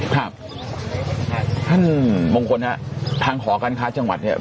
ครับท่านมงคลฮะทางหอการค้าจังหวัดเนี่ย